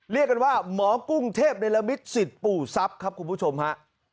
เรียกกันว่าหมอกุ้งเทพในละมิตรสิทธิ์ปู่ทรัพย์ครับคุณผู้ชมฮะ